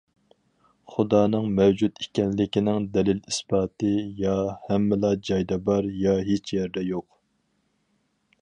خۇدانىڭ مەۋجۇت ئىكەنلىكىنىڭ دەلىل- ئىسپاتى يا ھەممىلا جايدا بار، يا ھېچيەردە يوق.